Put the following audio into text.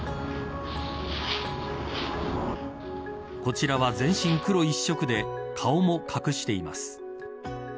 こちらは、全身黒一色で顔も隠しています。